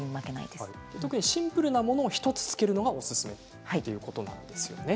シンプルなものを１つつけるのがおすすめということですね